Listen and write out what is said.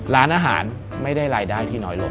ร้านอาหารไม่ได้รายได้ที่น้อยลง